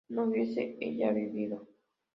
¿no hubiese ella vivido?